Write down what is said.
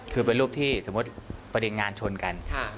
คือสมมติบริงานชนกัน